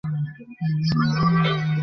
Petrol ভরিয়ে দিন please.